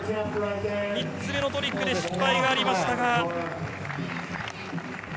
３つ目のトリックで失敗がありましたが。